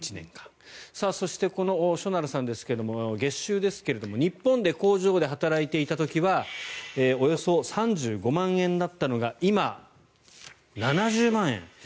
そして、しょなるさんですが月収ですけれど日本で工場で働いていた時はおよそ３５万円だったのが今、７０万円。